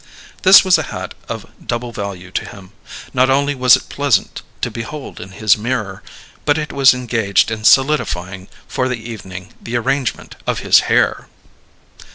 This was a hat of double value to him; not only was it pleasant to behold in his mirror, but it was engaged in solidifying for the evening the arrangement of his hair.